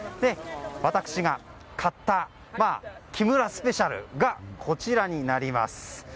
私が買った木村スペシャルがこちらになります。